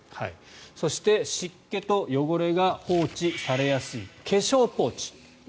そして、湿気と汚れが放置されやすい化粧ポーチ。